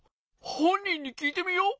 ほんにんにきいてみよう！